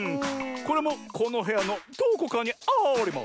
これもこのへやのどこかにあります。